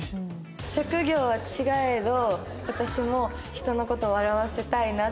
職業は違えど私も人の事を笑わせたいなってなんか。